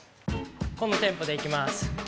このテンポでいきます